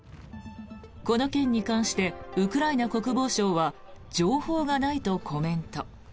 この件に関してウクライナ国防省は情報がないとコメント。